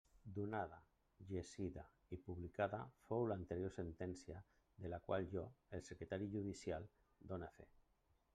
Donada, llegida i publicada fou l'anterior sentència, de la qual jo, el secretari judicial, done fe.